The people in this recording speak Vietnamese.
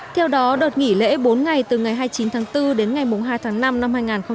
theo đó đợt nghỉ lễ bốn ngày từ ngày hai mươi chín tháng bốn đến ngày mùng hai tháng năm năm hai nghìn một mươi bảy